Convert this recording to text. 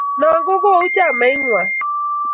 Noo ko kou chamait ng'wang.